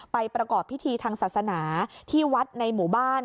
ประกอบพิธีทางศาสนาที่วัดในหมู่บ้าน